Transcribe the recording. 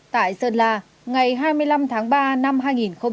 tại sơn la ngày hai mươi năm tháng ba năm hai nghìn hai mươi